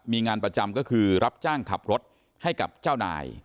มีงานประจำก็คือรับจ้างขับรถให้กับเจ้านาย